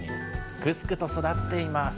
すくすくと育っています。